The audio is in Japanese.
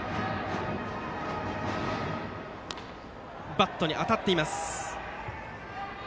バットに当たっています。